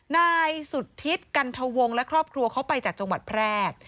นายสุธิษกันทวงและครอบครัวเขาไปจากจังหวัดแพร่